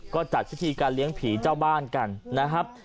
ก็จัดพิธีการเลี้ยงผีเจ้าบ้านกันนะครับ